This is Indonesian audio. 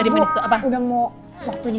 udah mau waktu di sekolah